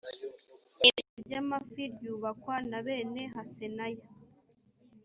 irembo ry amafi ryubakwa na bene hasenaya